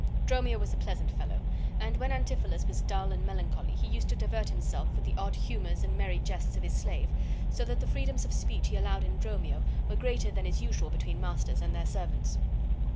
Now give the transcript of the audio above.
Dromio was a pleasant fellow, and when Antipholus was dull and melancholy he used to divert himself with the odd humors and merry jests of his slave, so that the freedoms of speech he allowed in Dromio were greater than is usual between masters and their servants.